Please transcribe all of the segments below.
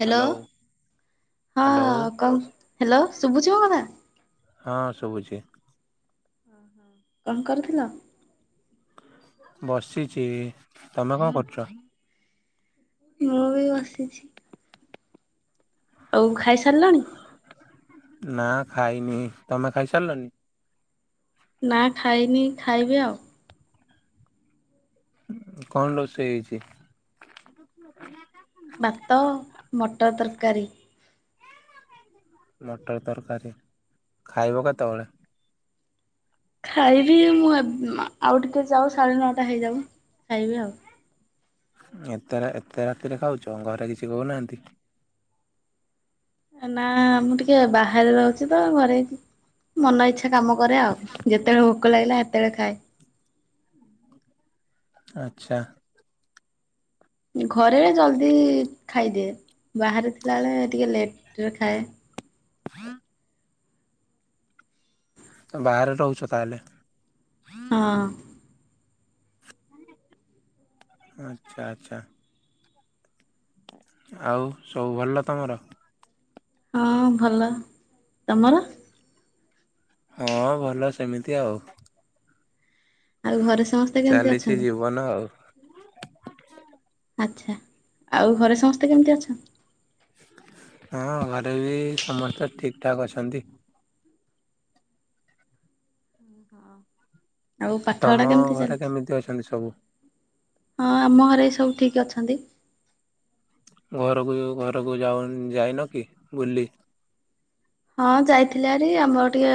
Hello hello ହଁ କହ hello. ଶୁଭୁଛିି ମୋ କଥା? ହଁ ସୁବୁଚି। କଣ କରୁଥିଲ? ବସିଚି। ତମେ କଣ କରୁଚ? ମୁଁ ବି ବସିଛି। ଆଉ ଖାଇସାରିଲଣି? ନା ଖାଇନି। ତମେ ଖାଇସାରିଲଣି? ନା ଖାଇନି ଖାଇବି ଆଉ। କଣ ରୋଷେଇ ହେଇଛି? ଭାତ ମଟର ତର କାରୀ। ମଟର ତରକାରୀ। ଖାଇବ କେତେବେଳେ? ଖାଇବି ମୁଁ ଆଉ ଟିକେ ଯାଉ ସାଢେ ନଅଟା ହେଇଯାଉ ଖାଇବି ଆଉ। ଏତେ ଏତେ ରାତିରେ ଖାଉଛ ଘରେ କିଛି କହୁନାହାନ୍ତି। ନା ମୁଁ ଟିକେ ବାହାରେ ରହୁଛି ତ ଘରେ ଛି ମନ ଇଚ୍ଛା କାମ କରେ ଆଉ ଯେତେବେଳେ ଭୋକ ଲାଗିଲା ହେତେଳେ ଖାଏ। ଆଚ୍ଛା। ଘରେ ଜଲ୍ଦି ଖାଇଦିଏ ବାହାରେ ଥିଲାବେଳେ ଟିକେ ଲେଟରେ ଖାଏ। [inaudible] ତ ବାହାରେ ରହୁଛ ତାହେଲେ। ହଁ। ଆଚ୍ଛା ଆଚ୍ଛା। ଆଉ ସବୁ ଭଲ ତମର? ହଁ ଭଲ। ତମର? ହଁ ଭଲ ସେମିତି ଆଉ। ଆଉ ଘରେ ସମସ୍ତେ କେମତି ଚାଲିଛି ଅଛନ୍ତି? ଜୀବନ ଆଉ। ଆଚ୍ଛା ଆଉ ଘରେ ସମସ୍ତେ କେମିତି ଅଛ। ହଁ ଘରେ ବି ସମସ୍ତେ ଠିକ ଠାକ୍ ଅଛନ୍ତି। ଆଉ ପାଠ ପଢା ତମ କେମିତି ଘରେ ଚାଲିଛି? କେମିତି ଅଛନ୍ତି ସବୁ? ହଁ ଆମ ଘରେ ସବୁ ଠିକ ଅଛନ୍ତି। ଘରକୁ ଘରକୁ ଯାଉ ଯାଇନ କି ବୁଲି। ହଁ ଯାଇଥିଲରି ଆମର ଟିକେ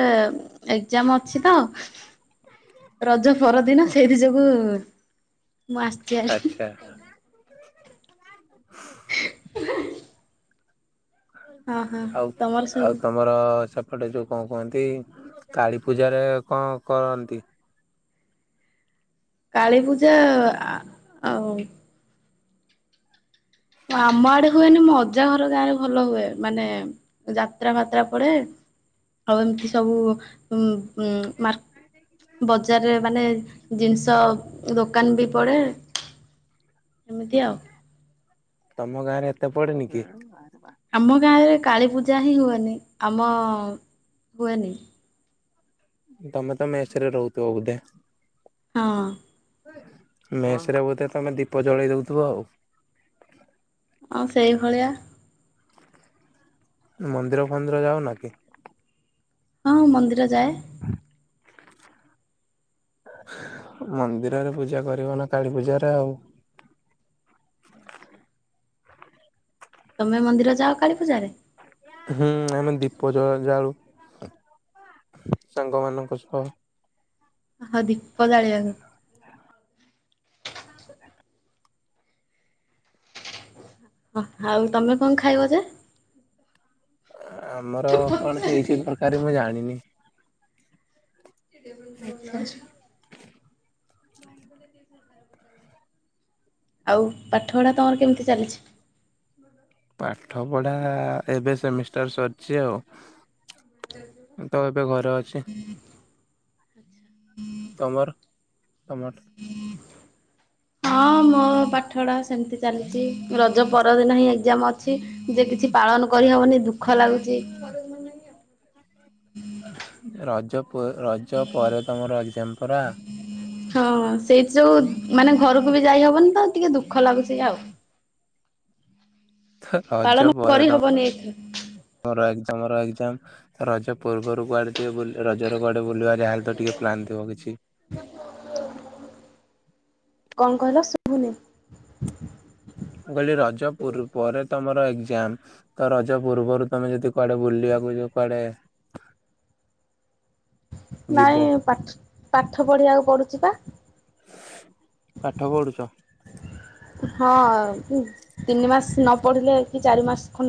ଏକ୍ଜାମ ଅଛି ତ ରଜ ପରଦିନ ସେଇଥି ଯୋଗୁ ମୁଁ ଆସଛି ଆଚ୍ଛା ଆ ହଁ ହଁ ଆଉ ତମର ସବୁ ଆଉ ତମର ଗଟେ ଯୋଉ କଣ କୁହନ୍ତି କାଳୀ ପୂଜାରେ କଣ କରନ୍ତି। କାଳୀ ପୂଜା ଆଉ ଆମ ଆଡେ ହୁଏନି ଅଜା ଘର ଗାଁ ରେ ଭଲ ହୁଏ। ମାନେ ଯାତ୍ରା ଫାତ୍ରା ପଡେ ଆଉ ଏମିତି ସବୁ ଉ ମା ବଜାରରେ ମାନେ ଜିନିଷ ଦୋକାନ ବି ପଡେ ଏମିତି ଆଉ। ତମ ଗାଁ ରେ ଏତେ ପଡେନି କି? ଆମ ଗାଁରେ କାଳୀ ପୂଜା ହିଁ ହୁଏ ଆମ ହୁଏନି। ତମେ ତମେ ଏସିରେ ରହୁଥିବ ବୋଧେ। ହଁ। ମେଷରେ ବୋଧେ ତମେ ଦୀପ ଜଳେଇ ଦଉଥିବ ଆଉ। ଆଉ ସେଇଭଳିଆ। ମନ୍ଦିର ଫନ୍ଦିର ଯାଉନା କି? ହଁଁ ମନ୍ଦିର ଯାଏ। ମନ୍ଦିରରେ ପୂଜା କରିବ ନା କାଳୀ ପୂଜାରେ ଆଉ। ତମେ ମନ୍ଦିର ଯାଅ କାଳୀ ପୂଜାରେ। ହୁଁ ଆମେ ଦୀପ ଜଳ ଯାଳୁ ସାଙ୍ଗମାନାନଙ୍କ ସହ। ଓ ହଁ ଦୀପ ଜାଳିଆକୁ। ଓ ଆଉ ତମେ କଣ ଖାଇବ ଯେ? ଆମର କଣ ହେଇଛି ତରକାର ମୁଁ ଜାଣିନି। [inaudible] ଆଉ ପାଠ ପଢା ତମର କେମିତି ଚାଲିଛି। ପାଠ ପଢ଼ା ଏବେ ସେମିଷ୍ଟର ସରିଛି ଆଉ। ତ ଏବେ ଘରେ ଅଛି। ତମର ଟମାଟ ହଁ ମୋ ପାଠପଢା ସେମିତି ଚାଲିଛି। ରଜ ପରଦିନ ହିଁ ଏକ୍ଜାମ୍ ଅଛି। ଛି ଯେ କିଛି ପାଳନ କରିହବନି ଦୁଃଖ ଲାଗୁଛି ରାଜ୍ୟ ରଜ ପରେ ତମର ଏକ୍ଜାମ୍ପଲ ଖରା ହଁ ସେଇଠ ଯୋଉ ମାନେ ଘରକୁ ବି ଯାଇ ହବନି ତ ଟିକେ ଦୁଃଖ ଲାଗୁଛି ଆଉ ତ ରଜ ପାଳନ ପରେ କରିହବନି ଏଠ ତମର ତମର ଏଜାମ ରଜ ପୂର୍ବରୁ କୁଆଡେ ଟିକେ ରଜ ର କୁଆଡେ ବୁଲିବା ଲହେଲେ ତ ଟିକେ ପ୍ଲାନ ଥିବ କିଛି କଣ କହିଲ ଶୁଭୁନି କହିଲି ରଜ ପୁର ପରେ ତମର ଯ ତ ରଜ ପୂର୍ବରୁ ତମେ ଯଦି କୁଆଡେ ବୁଲିବାକୁ ଯ କୁଆଡେ ଯିବ ନାଇଁ ପାଠ ପାଠ ପଢିବାକୁ ପଡୁଛି ବା ପାଠ ପଢୁଛ ହଁ ତିନି ମାସ ନ ପଢିଲେ କି ଚାରି ମାସ ଖ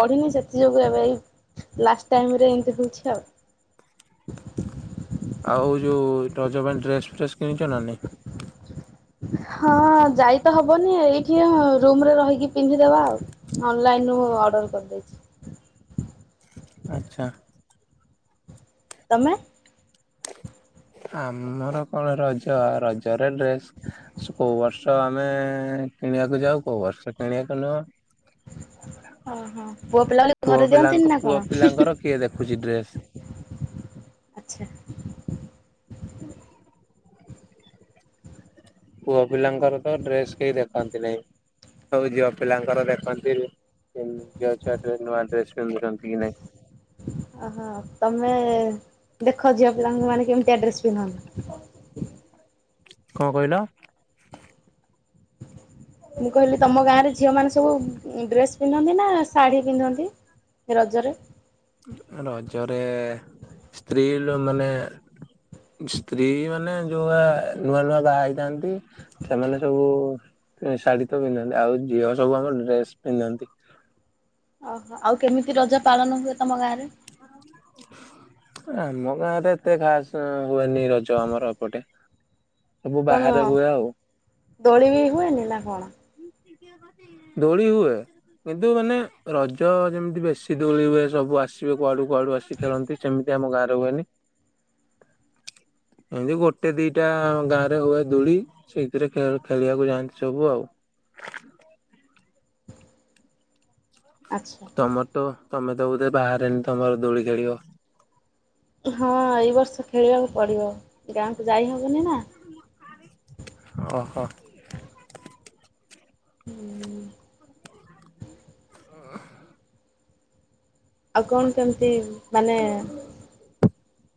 ପଢିନି ସେଥି ଯୋଗୁ ଏବେ ଏ ଲାଷ୍ଟ ଟାଇମରେ ଏମିତି ହଉଛି ଆଉ ଆଉ ଯେଉଁ ରଜ ପାଇଁ ଡ୍ରେସ୍ ଫ୍ରେସ୍ କିଣିଛ ନା ନି ହଁ ଯାଇ ତ ହବନି ଏଇଠି ରୁମରେ ରହିକି ପିନ୍ଧିଦେବା ଆଉ ଅନଲାଇନୁ ଅର୍ଡର କରିଦେଇଛି ଆଚଛା ତମେ ଆମର କଣ ରଜ ରଜରେ ଡ୍ରେସ କୋଉ ବର୍ଷ ଆମେ କିଣିବାକୁ ଯାଉ କୋଉ ବର୍ଷ କିଣିବାକୁ ନୁହ ଓ ହୋ ପୁଅ ପିଲାଙ୍କ ପୁଅ ପିଲାଙ୍କର କିଏ ଦେଖୁଛି ଡ୍ରେସ [unintelligible] ଆଚ୍ଛା। ପୁଅ ପିଲାଙ୍କର ତ ଡ୍ରେସ କେହି ଦେଖନ୍ତି ାଇ ହଉ ଝିଅ ପିଲାଙ୍କର ଦେଖନ୍ତି ଝିଅ ଛୁଆରେ ନୂଆ ଡ୍ରେସ ପିନ୍ଧୁଛନ୍ତି କି ନାଇଁ ଅହ ତମେ ଦେଖ ଝିଅ ପିଲାଙ୍କୁ ମାନେ କେମିତି ଆଡ୍ରେସ ପିନ୍ଧନ୍ତି କଣ କହିଲ? ମୁଁ କହିଲି ତମ ଗାଁ ରେ ଝିଅ ମାନେ ସବୁ ଡ୍ରେସ୍ ପିନ୍ଧନ୍ତି ନା ଶାଢୀ ପିନ୍ଧନ୍ତି ରଜରେ ରଜରେ ସ୍ତ୍ରୀ ମାନେ ସ୍ତ୍ରୀ ମାନେ ଯୋଉଆ ନୂଆ ନୂଆ ଗା ହେଇଥାନ୍ତି ସେମାନେ ସବୁ ଶାଢୀ ତ ପିନ୍ଧନ୍ତି ଆଉ ଝିଅ ସବୁ ଆମ ଡ୍ରେସ୍ ପିନ୍ଧନ୍ତି ଓହୋ ଆଉ କେମିତି ରଜ ପାଳନ ହୁଏ ତମ ଗାଁ ରେ ଆମ ଗାଁରେ ଏତେ ଖାସ ହୁଏନି ରଜ ଆମର ଏପଟେ ସବୁ କଣ ବାହାରେ ହୁଏ ଆଉ ଦୋଳି ବି ହୁଏନି ନା କଣ? ଦୋଳି ହୁଏ କିନ୍ତୁ ମାନେ ରଜ ଯେମିତି ବେଶୀ ଦୋଳି ହୁଏ ସବୁ ଆସିବ କୁଡ଼ ୁଳୁ ଆସି ଖେଳନ୍ତି ସେମିତି ଆମ ଗାଁରେ ହୁଏନି ଏମତି ଗୋଟେ ଦିଟା ଗାଁ ରେ ହୁଏ ଦୂଳି ସେଇଥିରେ ଖେଳିବାକୁ ଯାଆନ୍ତି ସବୁ ଆଉ ଆଚ୍ଛା ଟମାଟୋ। ତମେ ତ ବୋଧ ବାହାରେନି ତମର ଦୋଳି ଖେଳିବ ହଁ ଏଇ ବର୍ଷ ଖେଳିବାକୁ ପଡିବ ଗାଁକୁ ଯାଇହବନି ନା ଓ ହୋ ହୁଁ ହଁ ଆଉ କଣ କେମିତି ମାନେ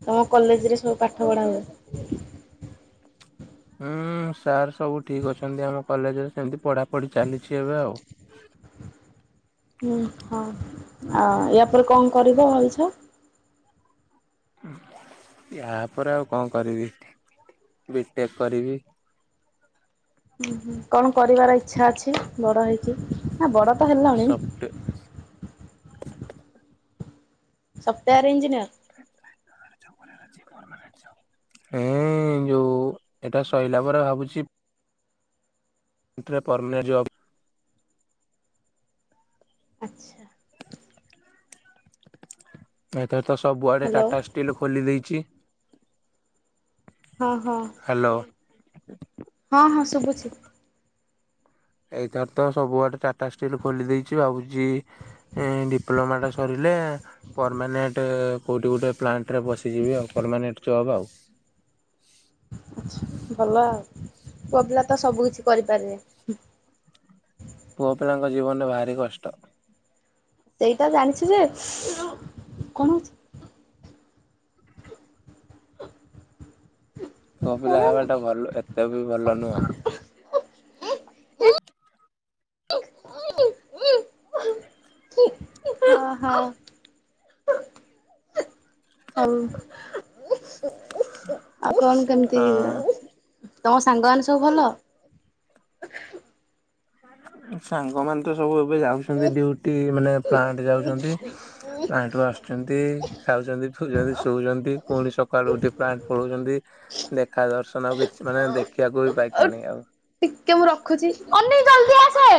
ତମ କଲେଜରେ ସବୁ ପାଠ ପଢା ହୁଏ ହୁଁ ସାର୍ ସବୁ ଠିକ ଅଛନ୍ତି ଆମ କଲେଜରେ ସେମିତି ପଢାପଢି ଚାଲିଛି ଏବେ ଆଉ ହୁଁ ହଁ ଆଉ ୟା ପରେରେ କଣ କରିବ ଭଲଛ ୟା ପରେ ଆଉ କଣ କରିବି ବିଟେକ୍ କରିବି। ହୁଁ ହୁଁ କଣ କରିବାର ଇଛା ଅଛି ବଡ ହେଇକି। ହଁ ବଡ ତ ହେଲଣି। Soft ସଫ୍ଟୱାରେ engineer. ଏଁ ଯୋଉ ଏଟା ସଇଲା ପରେ ଭାବୁଛି। ଏଥିରେ ପରମାନେଟ୍ ଜବ୍ ଆଛା। ଆ [unintelligible] ଏଥର ତ ସବୁଆଡେ ହ୍ୟାଲୋ ଟାଟା ଷ୍ଟିଲ୍ ଖୋଲି ଦେଇଛି। ହଁ ହଁ। [inaudible] ହଁ ହଁ ଶୁବୁଛି। ଏଇଥର ତ ସବୁଆଡେ ଟାଟା ଷ୍ଟିଲ୍ ଖୋଲି ଦେଇଛି ଭାବୁଛି ଡିପ୍ଲୋମାଟା ସରିଲେ ପରମାନେଣ୍ଟ କୋଉଠି ଗୋଟେ ପ୍ଲାଣ୍ଟରେ ପସିଯିବି ଆଉ ପରମାନେଣ୍ଟ ଜବ ଆଉ। ଆଚ୍ଛା ଭଲ ଆଉ ପୁଅପିଲା ତ ସବୁ କିଛି କରିପାରିବେ ପୁଅ ପିଲାଙ୍କ ଜୀବନ ଭାରି କଷ୍ଟ ସେଇଟା ଜାଣିଛି ଯେ କଣ ହୋଉଛି। ପୁଅ ପିଲା ହେବା ଟା ଭଲ ଏତେ ବି ଭଲ ନୁହଁ ହ ହ ହଉ ଆଉ କଣ କେମିତି ହଁ ହେଇ ତମ ସାଙ୍ଗ ମାନେ ସବୁ ଭଲ ସାଙ୍ଗ ମାନେ ତ ସବୁ ଏବେ ଯାଉଛନ୍ତି ଡ୍ୟୁଟି ମାନେ ପ୍ଲାଣ୍ଟ ଯାଉଛନ୍ତି ପ୍ଲାଣ୍ଟ ରୁ ଆସୁଛନ୍ତି ଖାଉଛନ୍ତି ପିଉଛନ୍ତି ଶଉଛନ୍ତି ପୁଣି ସକାଳୁ ଉଠି ପ୍ଲାଣ୍ଟ ପଳଉଛନ୍ତି ଦେଖା ଦର୍ଶନ ଆଉ କିଛି ମାନେ ଦେଖିବାକୁ ବି ଓ ପାଇକ ନାହିଁ ଆଉ ଟିକେ ମୁଁ ରଖୁଛି ଅନି ଜଲ୍ଦି ଆସେ।